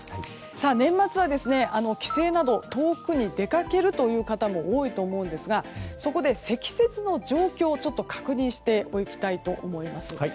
年末は、帰省など遠くに出かけるという方も多いと思うんですがそこで積雪の状況を確認しておきたいと思います。